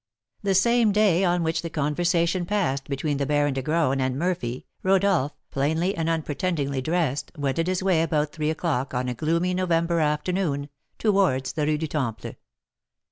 The same day on which the conversation passed between the Baron de Graün and Murphy, Rodolph, plainly and unpretendingly dressed, wended his way about three o'clock, on a gloomy November afternoon, towards the Rue du Temple.